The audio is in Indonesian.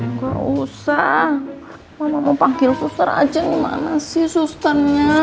nggak usah mama mau panggil suster aja ini mana sih susternya